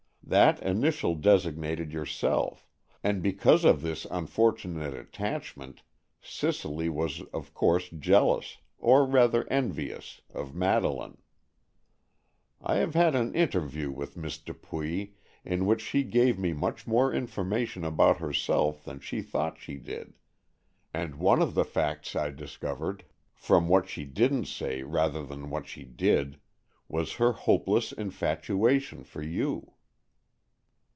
That initial designated yourself, and, because of this unfortunate attachment, Cicely was of course jealous, or rather envious, of Madeleine. I have had an interview with Miss Dupuy, in which she gave me much more information about herself than she thought she did, and one of the facts I discovered—from what she didn't say, rather than what she did—was her hopeless infatuation for you."